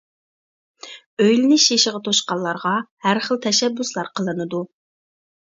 ئۆيلىنىش يېشىغا توشقانلارغا ھەر خىل تەشەببۇسلار قىلىنىدۇ.